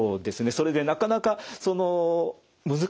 それでなかなか難しいんですよね。